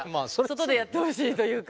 外でやってほしいというか。